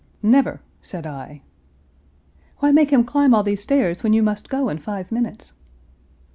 "Never!" said I. "Why make him climb all these stairs when you must go in five minutes?"